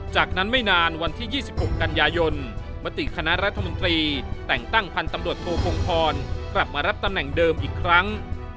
จากนั้นไม่นานวันที่๒๖กันยายนมติคณะรัฐมนตรีแต่งตั้งพันธ์ตำรวจโทพงพรกลับมารับตำแหน่งเดิมอีกครั้ง